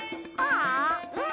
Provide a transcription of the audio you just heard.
うん。